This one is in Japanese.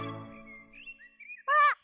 あっ！